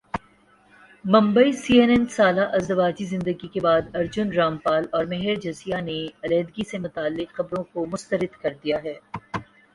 Mumbai C N N سالہ ازدواجی زندگی کے بعد ارجن رامپال اور مہر جسیہ نے علیحدگی سے متعلق خبروں کع مسترد کردیا ہے